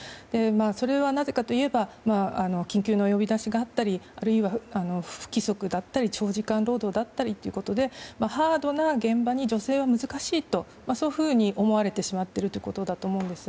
それはなぜかといえば緊急の呼び出しがあったりあるいは不規則だったり長時間労働であったりとかでハードな現場に女性は難しいと思われてしまっているということだと思うんです。